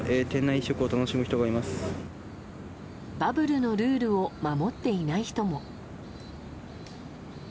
バブルのルールを守っていない人も。